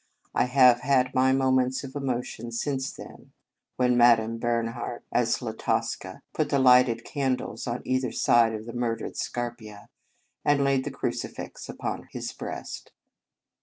I have had my moments of emotion since then. When Madame Bernhardt as La Tosca put the lighted candles on either side of the murdered Scarpia, and laid the crucifix upon his breast.